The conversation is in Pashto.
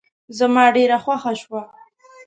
زما ډېره خوښه شوه.